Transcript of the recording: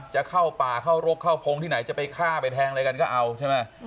จะเข้าป่าเข้ารกเข้าพงที่ไหนจะไปฆ่าไปแทงอะไรกันก็เอาใช่ไหม